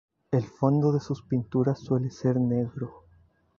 El fondo de sus pinturas suele ser negro.